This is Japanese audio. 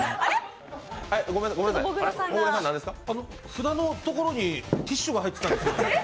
札のところにティッシュが入ってたんですけど。